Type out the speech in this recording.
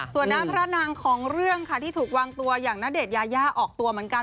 ส่วนด้านพระนางของเรื่องค่ะที่ถูกวางตัวอย่างณเดชนยายาออกตัวเหมือนกัน